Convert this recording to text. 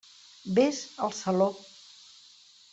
Vés al saló.